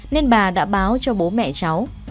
nên bà đã báo cho bố mẹ cháu